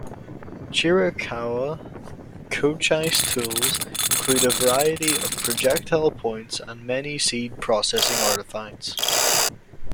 Chiricahua Cochise tools include a variety of projectile points and many seed-processing artifacts.